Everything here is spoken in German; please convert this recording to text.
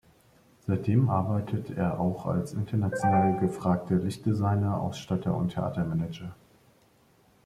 Seitdem arbeitet er auch als international gefragter Lichtdesigner, Ausstatter und Theatermanager.